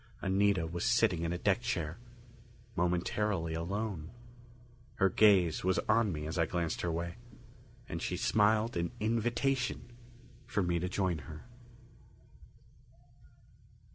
Anita was sitting in a deck chair, momentarily alone. Her gaze was on me as I glanced her way, and she smiled an invitation for me to join her.